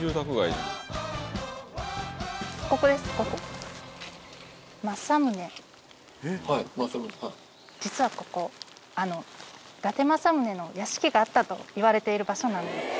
実はここ伊達政宗の屋敷があったといわれている場所なんです。